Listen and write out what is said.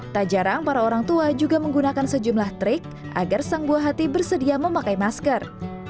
tak jarang para orang tua juga menggunakan sejumlah trik agar sang buah hati bersedia memakai masker